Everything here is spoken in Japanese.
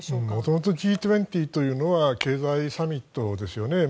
元々Ｇ２０というのは経済サミットですよね。